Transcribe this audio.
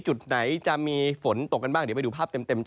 จุดไหนจะมีฝนตกกันบ้างเดี๋ยวไปดูภาพเต็มจ